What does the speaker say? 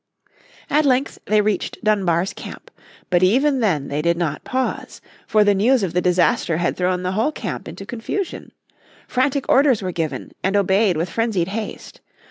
At length they reached Dunbar's camp. But even them they did not pause. For the news of the disaster had thrown the whole camp into confusion. Frantic orders were given, and obeyed with frenzied haste.